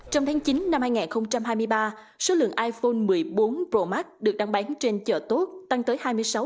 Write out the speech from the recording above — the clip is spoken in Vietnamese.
trong tháng chín năm hai nghìn hai mươi ba số lượng iphone một mươi bốn pro max được đăng bán trên chợ tốt tăng tới hai mươi sáu